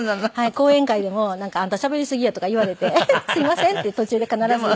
講演会でもなんか「あんたしゃべりすぎや」とか言われて「すいません」って途中で必ず。